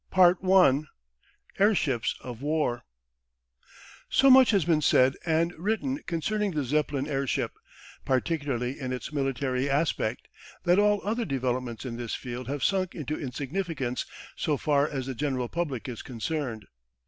CHAPTER IV. AIRSHIPS OF WAR So much has been said and written concerning the Zeppelin airship, particularly in its military aspect, that all other developments in this field have sunk into insignificance so far as the general public is concerned.